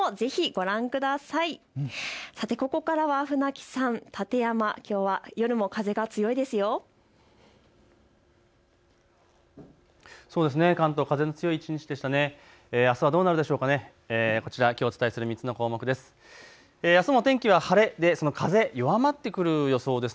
こちら、きょうお伝えする３つの項目です。